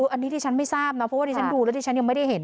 อันนี้ที่ฉันไม่ทราบนะเพราะว่าที่ฉันดูแล้วที่ฉันยังไม่ได้เห็น